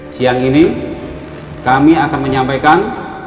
siang ini kami akan menyampaikan